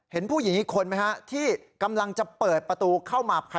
เห็นผู้หญิงอีกคนไหมฮะที่กำลังจะเปิดประตูเข้ามา